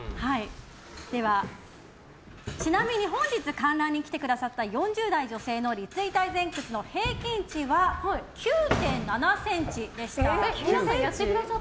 本日、観覧に来てくださった４０代女性の立位体前屈の平均値は９．７ｃｍでした。